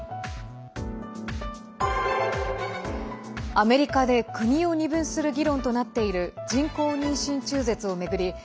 アメリカで国を二分する議論となっている人工妊娠中絶を巡り